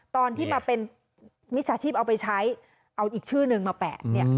ตอนที่มาเป็นมิจฉาชีพเอาไปใช้เอาอีกชื่อนึงมาแปะเนี่ย